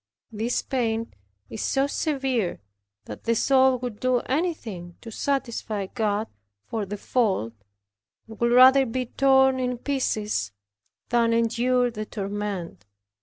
This pain is so severe, that the soul would do anything to satisfy God for the fault, and would rather be torn in pieces than endure the torment.